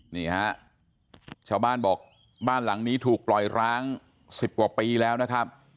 นี่ฮะชาวบ้านบอกบ้านหลังนี้ถูกปล่อยร้าง๑๐กว่าปีแล้วนะครับ